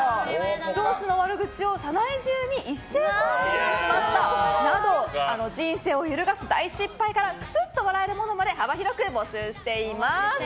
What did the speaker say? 上司の悪口を社内中に一斉送信してしまったなど人生を揺るがす大失敗からくすっと笑えるものまで幅広く募集しています。